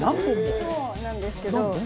そうなんですけど。